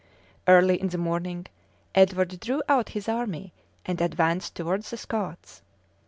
Early in the morning, Edward drew out his army, and advanced towards the Scots.